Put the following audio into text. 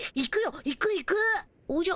おじゃ？